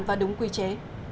và đúng quy chế